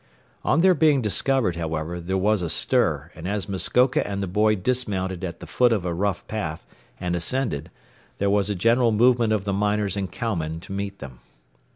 On their being discovered, however, there was a stir, and as Muskoka and the boy dismounted at the foot of a rough path and ascended there was a general movement of the miners and cowmen to meet them.